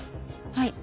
はい。